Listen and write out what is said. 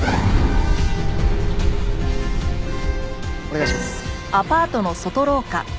お願いします。